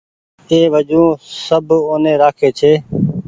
اي وجون سب اوني رآکي ڇي